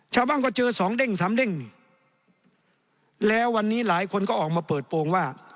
ชาวบ้านก็เจอสองเด้งสามเด้งนี่แล้ววันนี้หลายคนก็ออกมาเปิดโปรงว่า